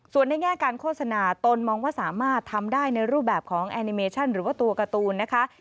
ส่วนในแง่การโฆษณาตนมองว่าสามารถทำได้ในรูปแบบของแอนิเมชั่นหรือว่าตัวการ์ตูนนะคะ